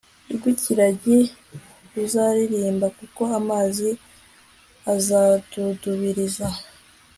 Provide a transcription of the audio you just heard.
rw ikiragi ruzaririmba kuko amazi azadudubiriza